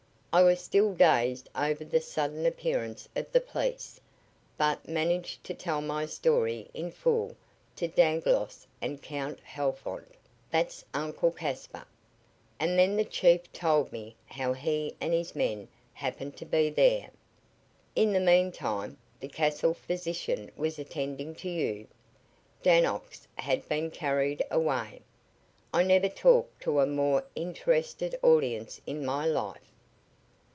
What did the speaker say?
I was still dazed over the sudden appearance of the police, but managed to tell my story in full to Dangloss and Count Halfont that's Uncle Caspar and then the chief told me how he and his men happened to be there. In the meantime, the castle physician was attending to you. Dannox had been carried away. I never talked to a more interested audience in my life!